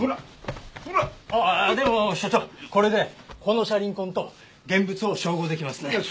ああでも所長これでこの車輪痕と現物を照合できますね。